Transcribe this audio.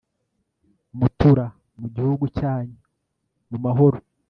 mutura mu gihugu cyanyu mu mahoro